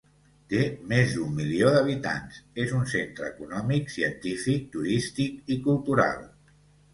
Té més d'un milió d'habitants; és un centre econòmic, científic, turístic i cultural.